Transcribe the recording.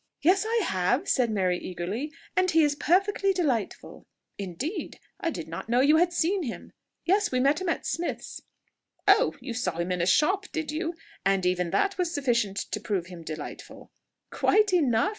"Yes, I have," said Mary eagerly, "and he is perfectly delightful!" "Indeed! I did not know you had seen him." "Yes we met him at Smith's." "Oh! you saw him in a shop, did you? and even that was sufficient to prove him delightful?" "Quite enough!"